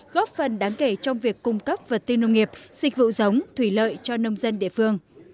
góp phần đáng kể trong việc cung cấp vật tư nông nghiệp dịch vụ giống thủy lợi cho nông dân địa phương